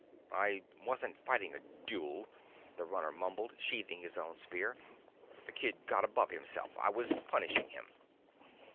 "I wasn't fighting a duel," the Runner mumbled, sheathing his own spear. "The kid got above himself. I was punishing him."